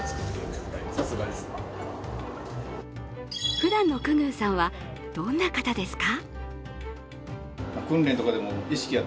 ふだんの久々宇さんはどんな方ですか？